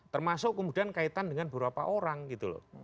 termasuk kemudian kaitan dengan beberapa orang gitu loh